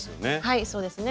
はいそうですね。